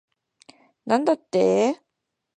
なんだって